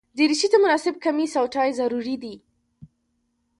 دریشي ته مناسب کمیس او ټای ضروري دي.